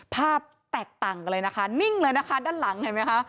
ภาพแตกต่างกันเลยนะคะนิ่งเลยนะคะด้านหลังเห็นไหมคะ